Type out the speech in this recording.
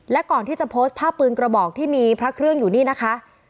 และก่อนที่จะโพสต์ภาพปืนกระบอกที่มีพระเครื่องอยู่นี่นะคะ